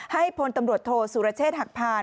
ให้พลตำรวจโทษสุรเชษฐ์หักผ่าน